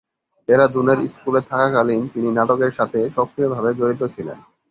দেরাদুনের স্কুলে থাকাকালীন তিনি নাটকের সাথে সক্রিয়ভাবে জড়িত ছিলেন।